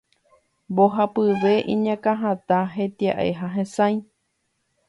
Mbohapyve iñakãhatã, hetia'e ha hesãi.